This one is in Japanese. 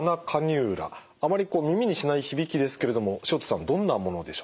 あまり耳にしない響きですけれども塩田さんどんなものでしょうか？